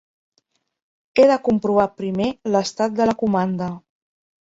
He de comprovar primer l'estat de la comanda.